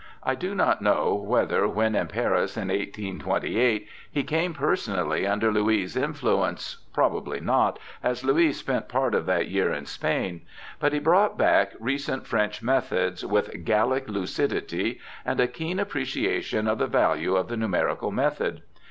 I do not know whether, when in Paris in 1828, he came personally under Louis' influence — probably not, as Louis spent part of that LOUIS 199 year in Spain — but he brought back recent French methods, with GaUic lucidity and a keen appreciation of the value of the numerical method.